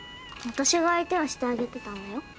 私が相手をしてあげてたんだよ。